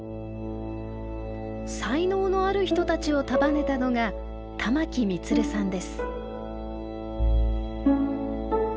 才能のある人たちを束ねたのが玉城満さんです。